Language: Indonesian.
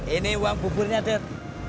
ini uang buburnya ted